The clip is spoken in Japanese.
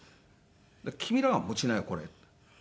君らが持ちなよこれ」って。